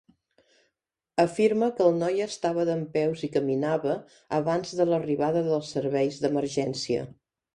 Afirma que el noi estava dempeus i caminava abans de l'arribada dels serveis d'emergència.